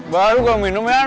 baru gue minum yan